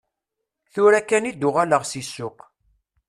Tura kan i d-uɣaleɣ si ssuq.